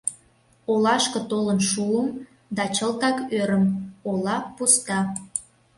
Олашке толын шуым да чылтак ӧрым: ола пуста.